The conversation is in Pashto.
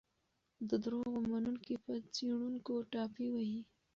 د دروغو منونکي په څېړونکو ټاپې وهي.